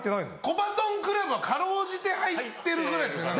コバトン倶楽部は辛うじて入ってるぐらいですね。